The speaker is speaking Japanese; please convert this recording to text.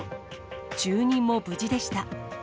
住人も無事でした。